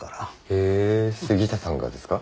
へえ杉下さんがですか？